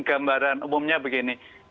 gambaran umumnya begini